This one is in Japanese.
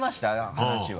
話は。